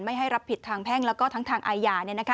ไม่ให้รับผิดทางแพ่งและทางอายา